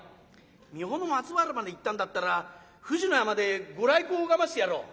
三保松原まで行ったんだったら富士の山で御来光拝ませてやろう。